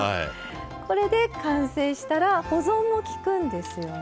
これで完成したら保存もきくんですよね。